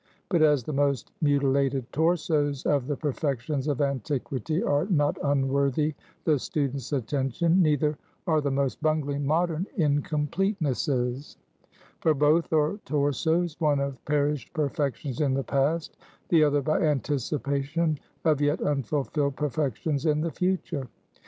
But as the most mutilated torsoes of the perfections of antiquity are not unworthy the student's attention, neither are the most bungling modern incompletenesses: for both are torsoes; one of perished perfections in the past; the other, by anticipation, of yet unfulfilled perfections in the future.